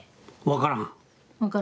分からんか。